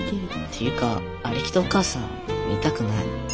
ていうかあれ着たお母さん見たくない。